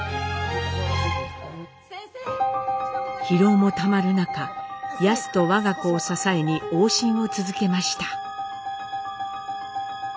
疲労もたまる中ヤスと我が子を支えに往診を続けました。